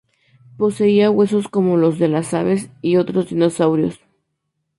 Poseía huesos huecos como los de las aves y otros dinosaurios.